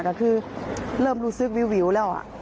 ก็คือเริ่มรู้สึกวิวแล้ว